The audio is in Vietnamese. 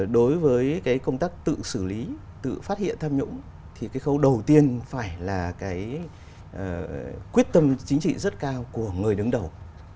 đối với công tác tự xử lý tự phát hiện tham nhũng thì cái khâu đầu tiên phải là cái quyết tâm chính trị rất cao của người đứng đầu